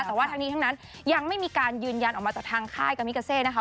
แต่ว่าทั้งนี้ทั้งนั้นยังไม่มีการยืนยันออกมาจากทางค่ายกามิกาเซนะคะ